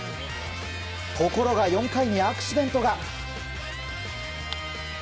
ところが４回にアクシデントが。